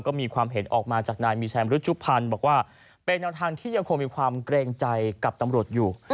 ก็มีความเห็นออกมาจากนายมีชัยมรุชุพันธ์บอกว่าเป็นแนวทางที่ยังคงมีความเกรงใจกับตำรวจอยู่